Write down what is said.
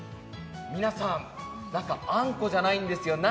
皆さん、中あんこじゃないんですよ